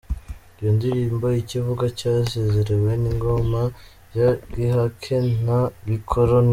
Iyo ndirimbo icyo ivuga cyasezerewe ni “ingoma ya gihake na gikoroni”.